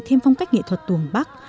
thêm phong cách nghệ thuật tuồng bắc